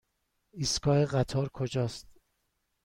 ایستگاه قطار کجاست؟